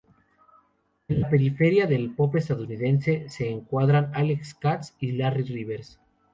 En la periferia del pop estadounidense se encuadran Alex Katz y Larry Rivers.